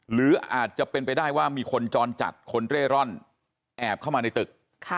หรืออาจจะเป็นไปได้ว่ามีคนจรจัดคนเร่ร่อนแอบเข้ามาในตึก